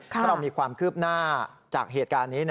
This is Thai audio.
ถ้าเรามีความคืบหน้าจากเหตุการณ์นี้